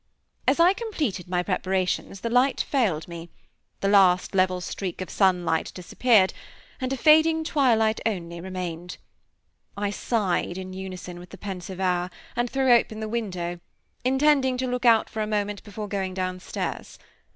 As I completed my preparations the light failed me; the last level streak of sunlight disappeared, and a fading twilight only remained. I sighed in unison with the pensive hour, and threw open the window, intending to look out for a moment before going downstairs.